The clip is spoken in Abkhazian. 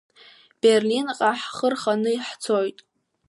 Берлинҟа ҳхы рханы ҳцоит.